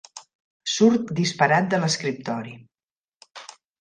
Surt disparat de l'escriptori.